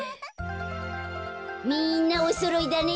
みんなおそろいだね。